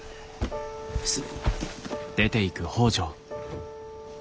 失礼。